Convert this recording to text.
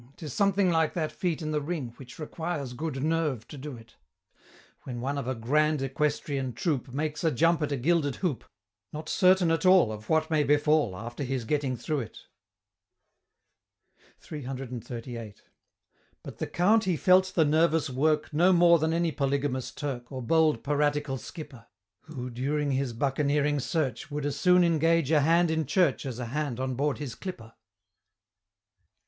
'Tis something like that feat in the ring, Which requires good nerve to do it When one of a "Grand Equestrian Troop" Makes a jump at a gilded hoop, Not certain at all Of what may befall After his getting through it! CCCXXXVIII. But the Count he felt the nervous work No more than any polygamous Turk, Or bold piratical skipper, Who, during his buccaneering search, Would as soon engage a hand in church As a hand on board his clipper!